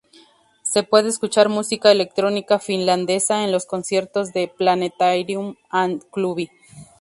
Se puede escuchar música electrónica finlandesa en los conciertos de Planetarium and Klubi.